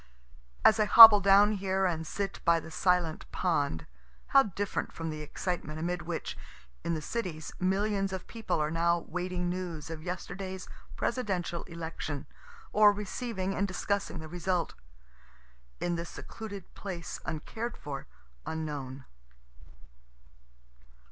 As I hobble down here and sit by the silent pond, how different from the excitement amid which, in the cities, millions of people are now waiting news of yesterday's Presidential election, or receiving and discussing the result in this secluded place uncared for, unknown.